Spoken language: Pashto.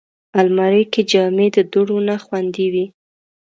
الماري کې جامې د دوړو نه خوندي وي